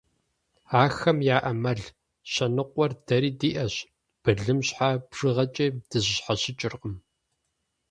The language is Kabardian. Ахэм яӏэ мэл щэныкъуэр дэри диӏэщ, былым щхьэ бжыгъэкӏи дызэщхьэщыкӏыркъым.